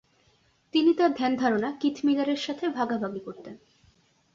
তিনি তাঁর ধ্যান-ধারণা কিথ মিলারের সাথে ভাগাভাগি করতেন।